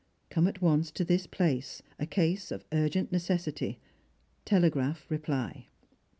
Come at once to this place. A case of urgent necessity. Telegraph reply."